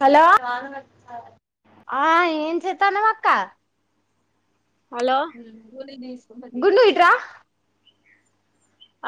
Hello ఆ ఏం చేతాన్నవు అక్క. హలో గుండు ఇట్రా.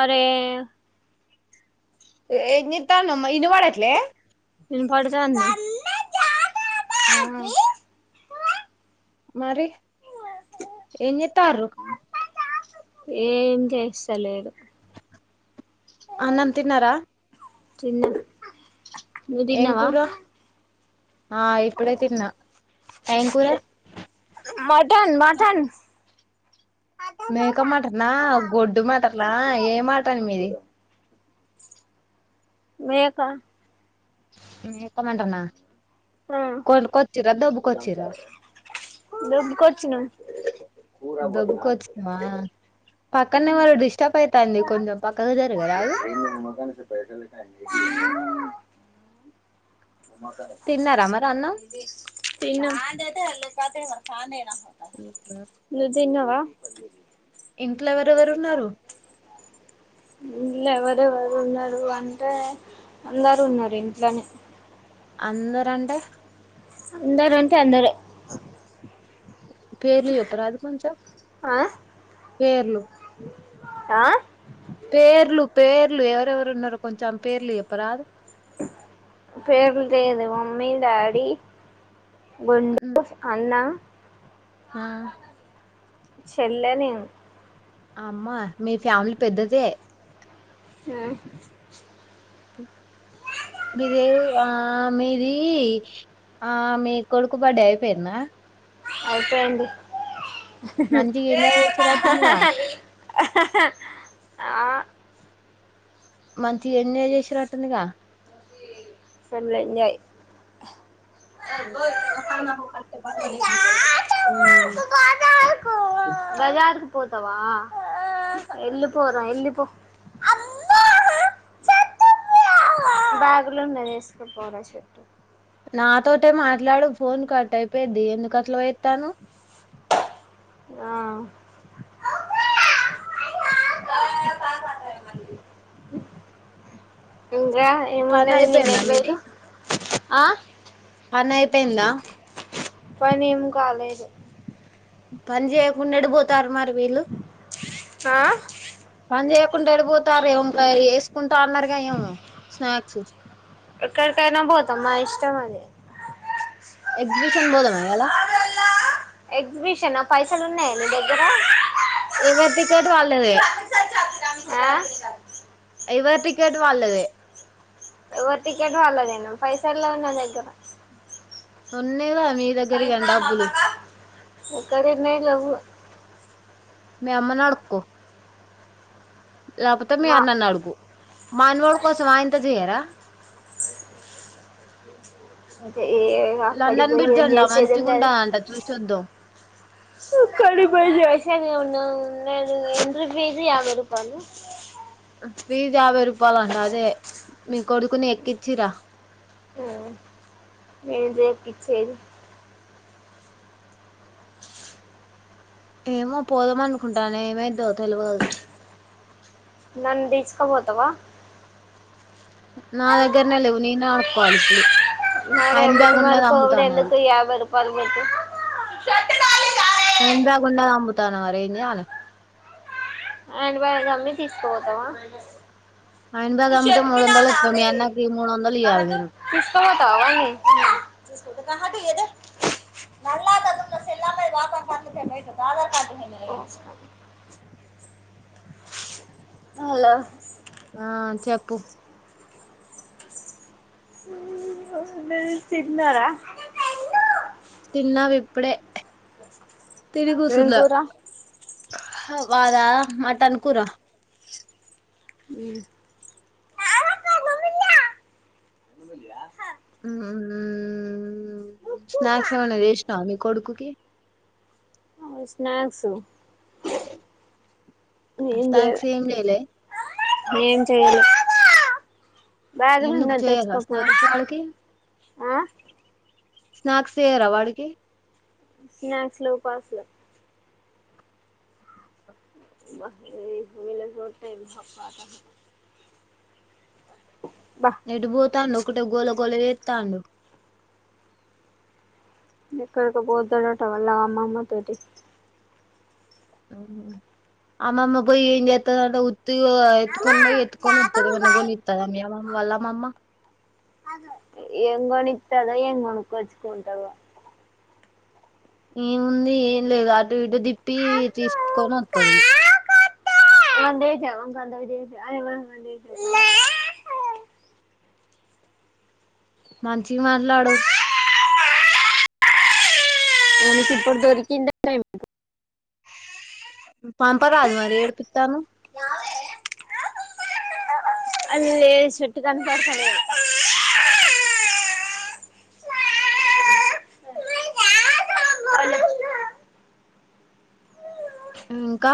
అరే. ఏం చేతాన్నవ్ ఇనవడట్లే. ఇనపడుతాంది. ఆ మరి ఏం చెత్తార్రు. ఏం చేస్తలేదు. అన్నమ్ తిన్నరా తిన్నం నువ్ ఏం తిన్నవా. కూర ఏం కూర. మటన్ మటన్ మేక మటనా, గొడ్డు మటనా, ఏ మటన్ మీది. మేకా మేక మటనా, ఆ కొన్కొచ్చిర్రా, దొబ్బుకొచ్చిర్రా. దొబ్బుకొచ్చినం దొబ్బుకొచ్చినవా. పక్కన ఎవరొ డిస్టర్బ్ అయితాంది కొంచెం పక్కకు జరగరాదు. తిన్నారా మరి అన్నం తిన్నం ఉ ఆ ఇంకా ఎవరెవరు ఉన్నారు ఇంట్ల ఎవరెవరు ఉన్నారు అంటే, అందరు ఉన్నారు ఇంట్లనే. అందరంటె. అందరంటె అందరె. పేర్లు చెప్పరాదు కొంచెం, ఆ పేర్లు. ఆ పేర్లు పేర్లు, ఎవరెవరు ఉన్నారొ కొంచెం పేర్లు చెప్పరాదు. పేర్లులేదు. Mummy, daddy. గుండూఫ అన్నా. ఆ చెల్ల నేను అమ్మా మీ ఫ్యామిలీ పెద్దదే ఆ మీ దేవు ఆ మీది ఆ మీ కొడుకు బర్త్డే అయిపోయిందా అయిపోయింది మంచిగా ఎంజాయ్ చేసినట్టుందిగా ఆ మంచిగా ఎంజాయ్ చేసినట్టుందిగా ఏం లే ఎంజాయ్ ఉమ్ బజారకి పోతావా వెళ్ళి పోరా ఎళ్లి పో బ్యాగులో ఉన్నది ఏసుకోపోరా చెట్టు నాతోటే మాట్లాడు ఫోన్ కట్ అయిపోయిద్ది ఎందుకు అట్ల చేస్తున్నావ్ ఆ ఇంకా పని ఏమున్నది అయిపోయిందా మీది నిన్నటిరోజు ఆ పని అయిపోయిందా పని ఏం కాలేదు పని చేయకుండా ఎటు పోతారు మరి వీళ్ళు ఆ పని చేయకుండా ఎటుపోతారు ఏం వేసుకుంటా అన్నారు గా ఏమో స్నాక్స్ ఎక్కడకయినా పోతాం అది మా ఇష్టమది ఎక్జిబిషన్ పోదామా ఇయ్యాల ఎగ్జిబిషన్ పై పైసలు ఉన్నాయా నీ దగ్గర ఎవరి టికెట్ వాళ్ళదే ఆ ఎవరి టికెట్ వాళ్ళదే ఎవరు టికెట్ వాళ్ళదే నా పైసల్ లేవు నా దగ్గర ఉన్ ఒకరి మీద ఒక మీ అమ్మని అడుక్కో లేకపోతే మీరు మా అన్నను అడుగు మా అనవాడి కోసం ఆ ఇంత చేయరా అదే ఏ ఇగ లండన్ అక్కడికిపోయి బ్రిడ్జ్ ఏం అంట మంచిగా చేసేదున్నది ఉంటదంట చూసొద్దాం అక్కడికి పోయి చేసేది ఏమున్నది లేదు ఎంట్రీ ఫీస్ యాభై రూపాయలు ఫీస్ యాభై రూపాయలు అంట అదే మీ కొడుకుని ఎక్కించి రా ఉమ్ ఏంది ఎక్కిచ్చేదీ ఏమో పోదాం అనుకుంటాన ఏమైద్దో తెలవదు నన్ను తీసుకొని పోతావా నా దగ్గరనే లేవు నేనే అడుక్కోవాలి ఇప్పుడు మరి హ్యాండ్ ఎందుకు బ్యాగ్ ఉన్నది మరిపోవుడు అమ్ముతాను అది ఎందుకు యాభై రూపాయలు పెట్టీ హ్యాండ్ బ్యాగ్ ఉన్నది అమ్ముతున్న మరి ఏం చేయాలి హ్యాండ్ బ్యాగ్ అమ్మి తీసుకుపోతావా హ్యాండ్ బ్యాగ్ నేను అమ్మితే మూడు వందలు చెప్పినానా వస్తాయి మీ వే అన్నకి మూడు వందలు ఇయ్యాలి అన్నట్టు నేను తీసుకుపోతావా వాన్ని మళ్ళ దగ్గు జల తేల్లరినయ్ పాపం పన్నుకెమయినా అయితద ఆధార్ కార్డ్ మీన్నేనయే హలో ఆ చెప్పు అ తిన్నారా తిన్నాం ఇపుడే ఏం కూర మద మటన్ కూర ఆ [unintelligible] అ ఆ ఉ స్నాక్స్ ఎమన్నా చేసినవా మీ కొడుకుకి స్నాక్సు నేం స్నాక్స్ చెయాలే ఏం చేయలే ఏం చెయాలే ఎందుకు చేయాల స్నాక్ వాళ్ళకి ఆ స్నాక్స్ చేయ్యరా వాడికి స్నాక్స్లు పాస్లు [inaudible] బా ఎటు పోతాండు ఒకటే గొలగోల జెత్తాండు ఎక్కడికో పోతుడాట వల్ల అమ్మమ్మ తటి అవువు అమ్మమ్మ పోయి ఏం ఎత్తా అంట ఉత్తిగా ఎత్తుకొని పోయి తఎత్తుకొని వస్తది ఏం అన కొనిస్తాడా మీ అమ్మ వాళ్ళమ్మమ్మ ఏం కొనిస్తాడో ఏం కొనుకోచుకుంటాడో [inaudible] ఏముంది ఏం లేదు అటు ఇటు దిప్పి తీసుకొని వస్తుది [inaudible] [unintelligible] మంచిగా మాట్లాడు వాడికి ఇప్పుడు దరికింద టైమ్ పాంపరా రాదు మరి ఏడిపిత్తనవ్ అల్లె చెట్టు కనపడుతలేదు [inaudible] అ అ ఇంకా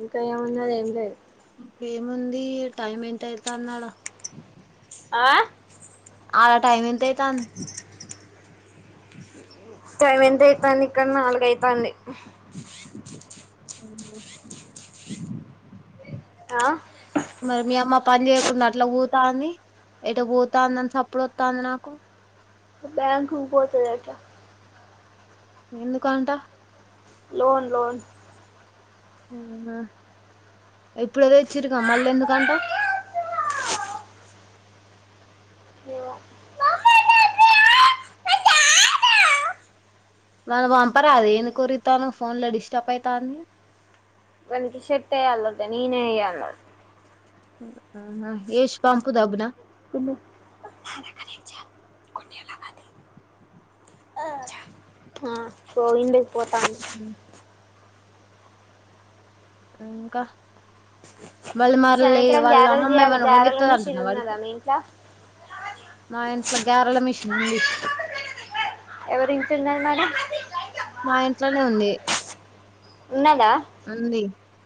ఇంకా ఏం ఉన్నది ఏం లేదు ఏముంది టైమ్ ఎంత అయిందాడ ఆ అడ టైం ఎంత అయితంది టైం ఎంత అవుతాండి ఇక్కడ నాలుగ అవుతాండి ఆ మరి మీ అమ్మ పని చేయకుండా అట్లా పోతంది ఏటో పోతాందాన్ సప్పుడోత్తంది నాకు [inaudible] బ్యాంకుకు పోతదట ఎందుకుంటా లోన్ లోన్ ఉ ఆ ఇప్పుడేదేచ్చిరుగా మళ్ళేందుకంటా [unintelligible] [inaudible] ఏమో [unintelligible] వాన్ పంపరాదే ఎందుకోర్రిత్తనవ్ ఫోన్ ల డిస్టర్బ్ అయితాంది [inaudible] వనికి షార్ట్ వెయ్యాలి అంట నేనే వెయ్యాలి ఆ ఏష్ పాంపు దెబ్బున [inaudible] తిన్న పోయిండు పోతాండు ఇంకా మళ్ళీ మర్ళీ సాయంత్రం వాళ్ళ గారెలు అమ్మమ్మ చేయాలి ఎమన్నా గారెల కొనిఇత్తదంటన్న మిషన్ వాడికి ఉన్నదా మీ ఇంట్లో మా ఇంట్లో గారేళ మిషన్ ఉంది ఎవరి తిన్నారు మరి మా ఇంట్లోనే ఉంది ఉన్నాద ఉంది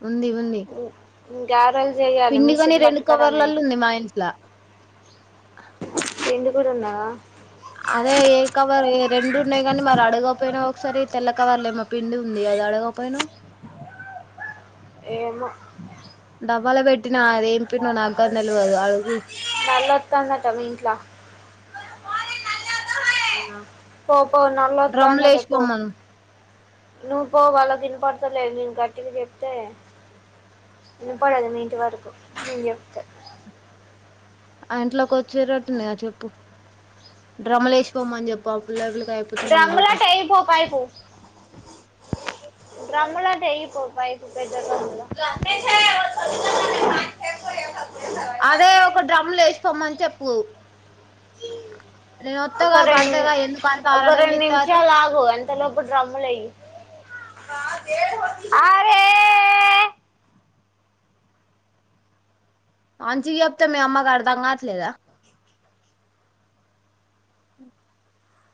ఉంది ఉంది గారే పిండి గొని రెండు కవర్లలల్ల ఉంది మా ఇంట్ల పిండి కూడా ఉందా అదే ఏ కవర్ ఏ రెండు ఉన్నాయి కాని మరి అడగపోయినావు ఒకసారి తెల్ల కవర్లేమో పిండి ఉంది అది అడగపోయినవ్ ఏమో డబ్బల పెట్టి నల్లొత్తందంటా మీ ఇంట్లా ఇంగ పోపో నల్లోంత్తందట పో నువు పో వాళ్ళకి విన్పడత లేదు నేను గట్టిగా చెప్తే వినపడదు మీ ఇంటి వరకు నేన్ జేప్తే ఆ ఇంట్లోకి వచ్చేరటనే చెప్పు డ్రమ్ములేసి పొమ్మని చెప్పు ఆ పిల్లగ్లి డ్రమ్ములో అట ఎయిపో పైపు డ్రమ్ములో అట ఎయిపో పెద్దగ ఉంది కద అదే ఒక డ్రమ్లో ఏసి పొమ్మని చెప్పు అ నేనోత్తగా పడ్తగా ఎందుకా ఒక రెండు నిమిషాలు ఆగు అంత లోపు డ్రమ్ములేయ్యి అరే.... మంచి చెప్తే మీ అమ్మకి అర్ధం గాట్లేదా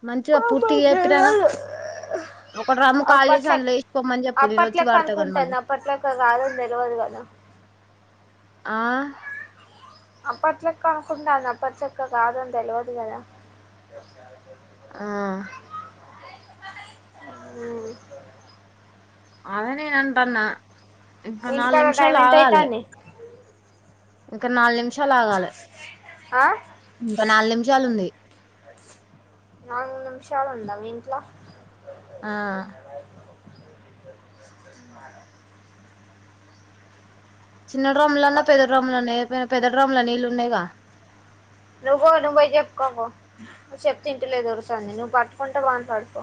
మంచిగా బాబోయ్ పూర్తిగా చెప్పినగ తెలియదు ఒక డ్రమ్ము ఖాళీ చేసి అప్పట్లో అందులో ఎసిపొమ్మని చెప్పు నేను వచ్చి అప్పట్లోకి వాడతగన్ మళ్ళీ అనుకుంటాను అప్పట్లోకి కాదని తెలియదు కదా ఆ అప్పట్లెక్క అనుకుంటా అప్పట్లెక్క కాదని తెల్వదు కదా ఆ మ్ అదేనే అంటాన్నా ఇంకా మీ నాలుగు ఇంటికాడ టైం నిమిషాలు ఎంత ఆగాలి అవుతుంది ఇంకా నాల్ నిమిషాలు ఆగాలి ఇంకా నాల్ నిమి షాలు ఉంది నాలుగు నిమిషాలు ఉందా మీ ఇంట్ల ఆ చిన్న డ్రమ్ముల్నన్నా పెద్ద డ్రమ్ములన్నా ఎయ్యపోయవ పెద్ద డ్రమ్ముల నీళ్ళు ఉన్నాయిగా నువ్వు పో నువ్ పోయి జేప్ పో చెప్తే ఇంటలేదు దొరసాని నువ్ పట్టుకుంటే మాట్లాడుకో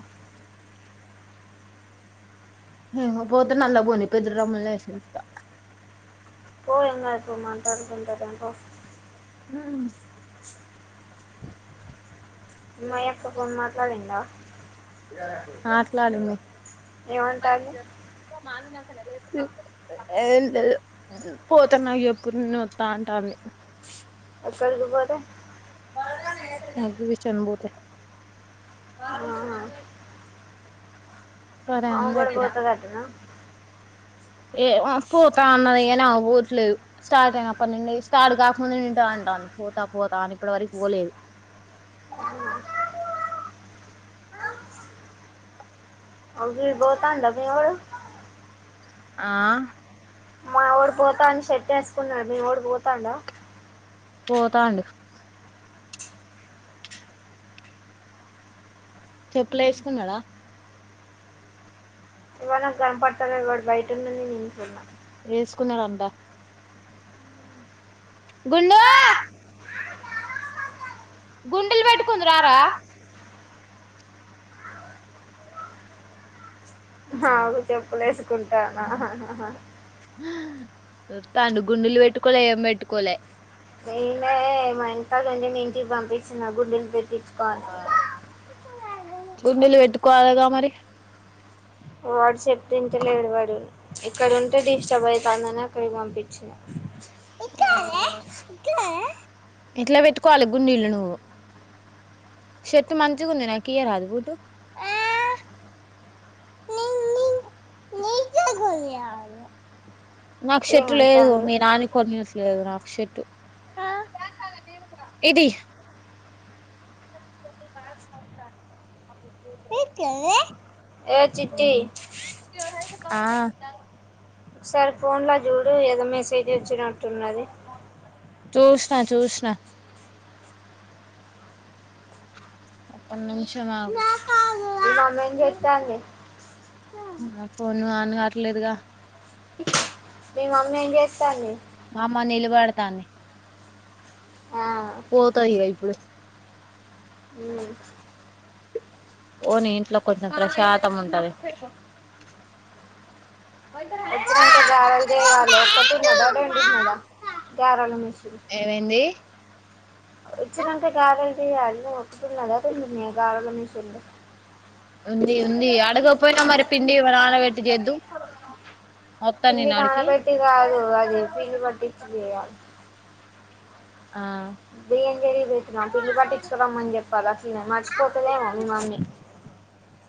[unintelligible] [inaudible] పోతే నళ్ళ పోని పెద్ద డ్రమ్ములేసి ఉంచుత పో ఇంగైకో మాట్లకుందిగాని పొ ఉమ్ మా అక్క ఫోన్ మాట్లాడిందా మాట్లాడింది ఏమంటుంది ఏం లేదు పోతే నాకు జేప్పు నేనో తా అంటంది అక్కడకి పోతే ఎగ్బిషన్ పోతే ఆహా. [inaudible] సరే ఆమె అని కూడా చెప్పిన పోతాదంటనా ఏమో పోత అన్నది గాని ఆమె పోట్లేదు స్టార్ట్ అయినప్పటి నుండి స్టార్ట్ కాకముందు నింట అంటంది. పోతా పోతా అని ఇప్పడు వరకు పోలేదు [inaudible] [inaudible] అవ్వి బోతండ మీవోడు ఆ మావోడు పోతా అని షట్ వేసుకున్నాడు మీ వోడు పోతండా. పోతాండు చెప్పులేసుకున్నాడా ఏమో నాక్ కనపడతలేదు వాడు బయటున్నాడు నేను ఇంట్లున్నా. వేసుకున్నాడంటా గుండూ గుండిలు పెట్టుకుందువు రా రా ఆగు చెప్పులేసుకుంటాను హ హ హ వత్తాండు గుండిలు పెట్టుకోలే ఏం పెట్టుకోలే నినే మా ఇంతగ నుంచి మీ ఇంటి పంపించిన గుండిలు పెట్ టిచ్చుకో అని గుండిలు పెట్టుకోవాలిగా మరి వాడు చెప్తే వింటలేడు వాడు ఇక్కడుంటే డిస్టర్బ్ అయితుందని అక్కడికి పంపించినా. ఇట్లా పెట్టుకోవాలి గుండిలు నువ్వు షర్ట్ మంచిగుంది నాకియరాదు బూటూ [inaudible] నాకు షర్టు లేదు ఏమంటాడు మీ నాని కొన్నిస్త్ కొన్నిట్లేదు నాక్ షర్టు ఇది ఏ చిట్టి ఆ ఒక సారి ఫోన్ లో చూడు ఏదో మెసేజ్ వచ్చినట్టున్నది. చూసిన చూసిన ఒక నిమిషం ఆగు మీ మమ్మీ ఎమ్ చెతాంది నా ఫోను ఆన్ కాట్లేదుగా మీ మమ్మీ ఏం చేస్తాంది మా అమ్మ నీళ్లు బడతంది ఆ, పోతది ఇగ ఇప్పుడు ఉ పోనీ ఇంట్లో కొంచం ప్రశాంతం ఉంటది వచ్చినంకా గారెలు చేయాలి ఒక్కటి ఉన్నదా రెండున్నదా గారెలా మిషన్. ఏమైంది వచ్చినంకా గారెలు చేయాలి వస్తున్నదా మీ గారల మిషన్. ఉంది ఉంది అడగకపోయినా మరి పిండి నానబెట్టి చేద్దు. వొత్త పిండి నేన్ ఆడికి నానబెట్టి కాదు అది పిండి పట్టించి చేయాలి ఆ బియ్యం జరీ పెట్నాం పిల్లు పట్టించుకురమ్మని చెప్పాలి అసలు మర్చిపోతుదేమో మీ మమ్మీ.